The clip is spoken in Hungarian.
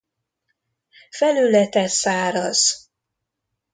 Felülete száraz.